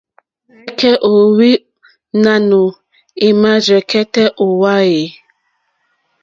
Rzeke o ohwi nanù ema rzekɛtɛ o wa e?